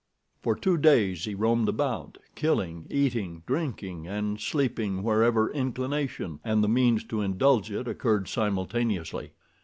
For two days he roamed about, killing, eating, drinking and sleeping wherever inclination and the means to indulge it occurred simultaneously.